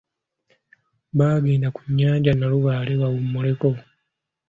Baagenda ku nnyanja nalubaale bawummuleko.